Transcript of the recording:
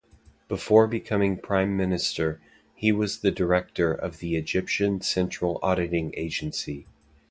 Before becoming Prime Minister, he was the director of the Egyptian Central Auditing Agency.